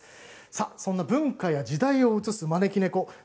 そんな文化や時代を映す招き猫